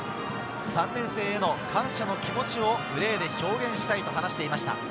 ３年生への感謝の気持ちをプレーで表現したいと話していました。